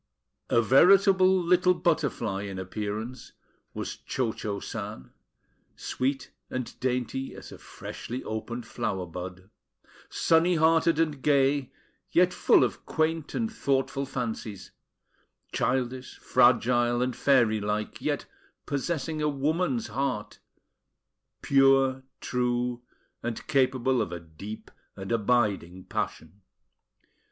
A veritable little butterfly in appearance was Cho Cho San, sweet and dainty as a freshly opened flower bud; sunny hearted and gay, yet full of quaint and thoughtful fancies; childish, fragile and fairy like, yet possessing a woman's heart, pure, true, and capable of a deep and abiding passion.